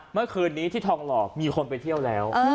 เมื่อคืนนี้ที่ทองหล่อมีคนไปเที่ยวแล้ว